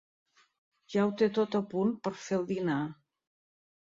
Ja ho té tot a punt per fer el dinar.